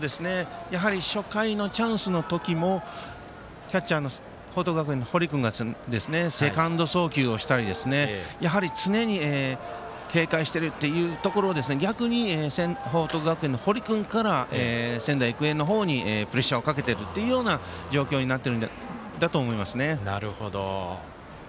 初回のチャンスの時もキャッチャーの報徳学園の堀君がセカンド送球をしたり常に警戒してるっていうところを逆に報徳学園の堀君から仙台育英の方にプレッシャーをかけてるというような状況になってるんだと思いますね。